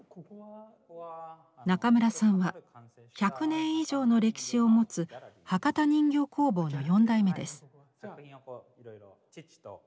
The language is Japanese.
中村さんは１００年以上の歴史を持つ博多人形工房の４代目です。